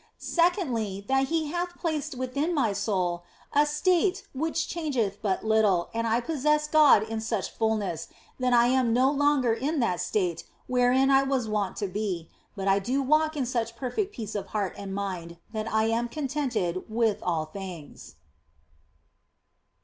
Secondly, that He hath placed within my soul a state which changeth but little and I possess God in such fulness that I am no longer in that state wherein I was wont to be, but I do walk in such perfect peace of heart and mind that I am con tented with all things.